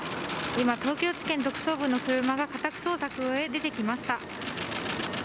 今、東京地検特捜部の車が家宅捜索を終え、出てきました。